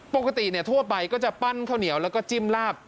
ปกติทั่วไปก็จะปั้นข้าวเหนียวแล้วก็จิ้มลาบ